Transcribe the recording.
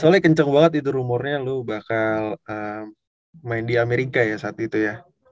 soalnya kenceng banget itu rumornya lu bakal main di amerika ya saat itu ya